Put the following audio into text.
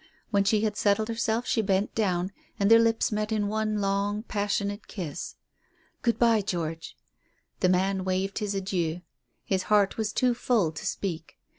When she had settled herself she bent down, and their lips met in one long, passionate kiss. "Good bye, George." The man waved his adieu. His heart was too full to speak.